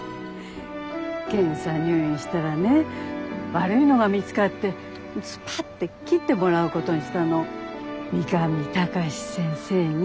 検査入院したらね悪いのが見つかってすぱって切ってもらうことにしたの三上高志先生に。